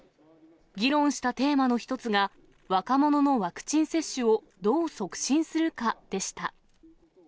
議論したテーマの一つが、若者のワクチン接種をどう促進するかでした。